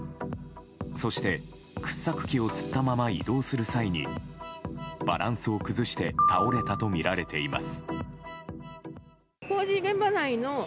そして、掘削機をつったまま移動する際にバランスを崩して倒れたとみられています。